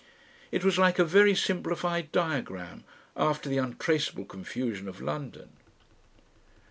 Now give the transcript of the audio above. It was like a very simplified diagram after the untraceable confusion of London.